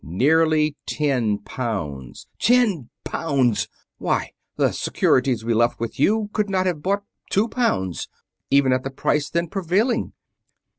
"Nearly ten pounds...." "Ten pounds! Why, the securities we left with you could not have bought two pounds, even at the price then prevailing!"